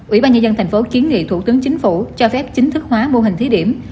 ủy ban nhân dân tp hcm kiến nghị thủ tướng chính phủ cho phép chính thức hóa mô hình thí điểm